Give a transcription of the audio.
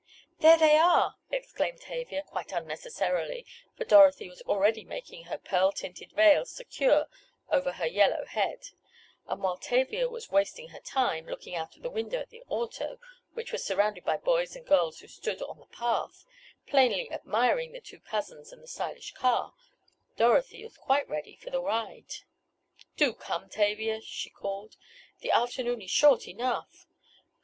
"There they are!" exclaimed Tavia, quite unnecessarily, for Dorothy was already making her pearl tinted veil secure over her yellow head; and while Tavia was wasting her time, looking out of the window at the auto, which was surrounded by boys and girls who stood on the path, plainly admiring the two cousins and the stylish car, Dorothy was quite ready for the ride. "Do come, Tavia!" she called. "The afternoon is short enough!"